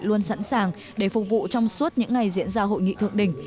luôn sẵn sàng để phục vụ trong suốt những ngày diễn ra hội nghị thượng đỉnh